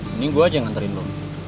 mending gue aja yang nganterin lu